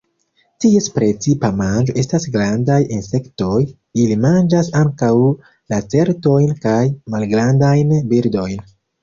Ties precipa manĝo estas grandaj insektoj; ili manĝas ankaŭ lacertojn kaj malgrandajn birdojn.